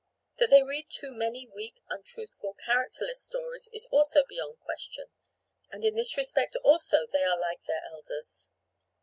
That they read too many weak, untruthful, characterless stories is also beyond question; and in this respect also they are like their elders.